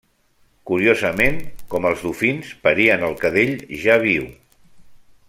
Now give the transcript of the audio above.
Curiosament, com els dofins, parien el cadell ja viu.